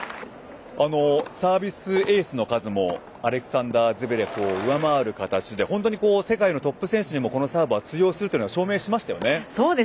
サービスエースの数もアレクサンダー・ズベレフを上回る形で本当に、世界のトップ選手にもこのサーブは通用するというのは証明しましたよね。